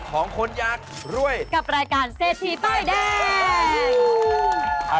ของคนอยากรวยกับรายการเศษทีสายใกล้แดง